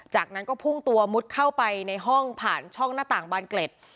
จากนั้นก็พุ่งตัวมุดเข้าไปในห้องผ่านช่องหน้าต่างบานเกล็ด